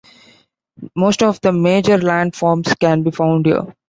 Most of the major land forms can be found here.